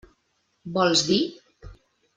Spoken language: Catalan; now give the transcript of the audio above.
Vols dir?